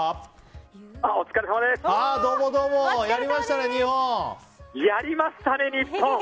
やりましたね、日本！